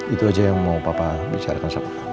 itu aja yang mau papa bicarakan sama